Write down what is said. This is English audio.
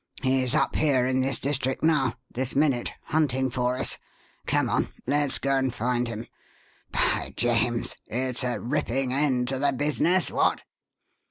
He's up here in this district now this minute hunting for us. Come on! let's go and find him. By James! it's a ripping end to the business what?"